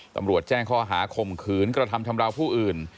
ตำรวจแจ้งข้อหาข่มขืนกระทำชำราวผู้อื่น